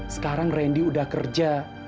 sekarang randy udah kerja